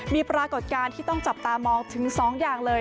มีปรากฏการณ์ที่ต้องจับตามองถึง๒อย่างเลย